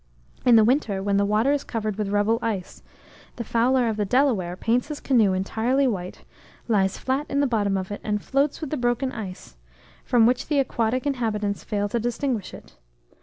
In the winter, when the water is covered with rubble ice, the fowler of the Delaware paints his canoe entirely white, lies flat in the bottom of it, and floats with the broken ice; from which the aquatic inhabitants fail to distinguish it.